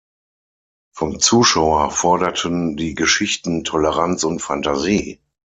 Vom Zuschauer forderten die Geschichten Toleranz und Fantasie.